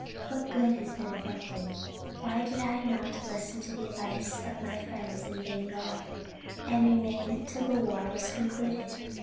What good has been effected? Why did I not listen to the advice of friends in Bengal and remain till the war was concluded?